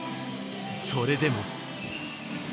それでも。